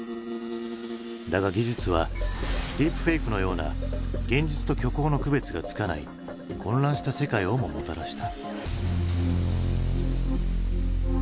だが技術はディープフェイクのような現実と虚構の区別がつかない混乱した世界をももたらした。